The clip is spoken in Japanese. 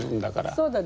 そうだね。